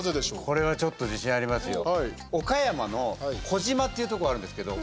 これはちょっと自信ありますよ。